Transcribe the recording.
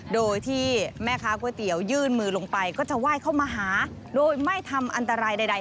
โดยที่แม่ค้าก๋วยเตี๋ยวยื่นมือลงไปก็จะไหว้เข้ามาหาโดยไม่ทำอันตรายใด